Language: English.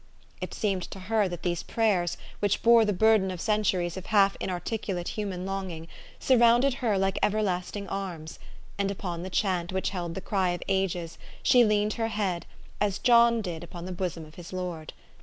It seemed to her that these praj T ers, which bore the burden of centuries of half THE STORY OF AVIS. 69 inarticulate human longing, surrounded her like ever lasting arms ; and upon the chant which held the cry of ages she leaned her head, as John did upon the bosom of his Lord.